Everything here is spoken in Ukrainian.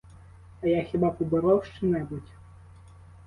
А я хіба поборов що-небудь?